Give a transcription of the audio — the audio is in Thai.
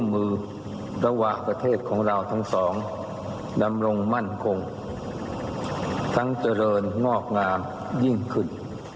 มือระหว่างประเทศของเราทั้งสองดำรงมั่นคงทั้งเจริญงอกงามยิ่งขึ้น